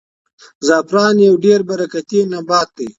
زعفران یو ډېر برکتي نبات دی.